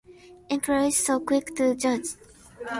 Everyone’s so quick to judge.